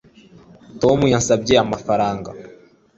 tom yansabye amafaranga